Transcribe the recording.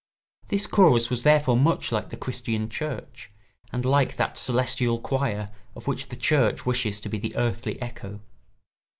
This chorus was therefore much like the Christian Church and like that celestial choir of which the church wishes to be the earthly echo.